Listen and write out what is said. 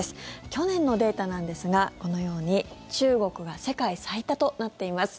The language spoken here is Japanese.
去年のデータなんですがこのように中国が世界最多となっています。